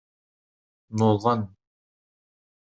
Nuḍen.